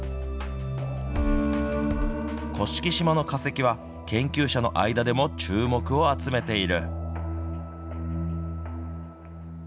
甑島の化石は、研究者の間でも注目を集めている。